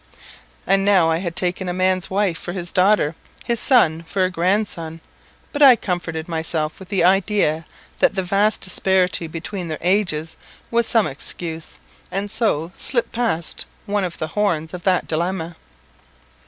_ And now I had taken a man's wife for his daughter his son for a grandson. But I comforted myself with the idea that the vast disparity between their ages was some excuse, and so slipped past one of the horns of that dilemma.